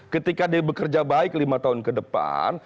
ketika dia bekerja baik lima tahun ke depan